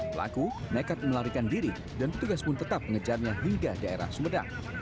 pelaku nekat melarikan diri dan petugas pun tetap mengejarnya hingga daerah sumedang